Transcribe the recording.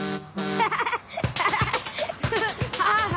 ハハハハ！